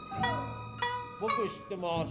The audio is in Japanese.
僕知ってます。